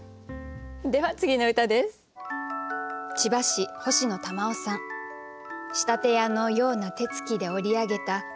では次の歌です。